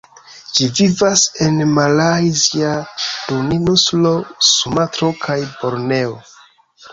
Ĝi vivas en Malajzia Duoninsulo, Sumatro kaj Borneo.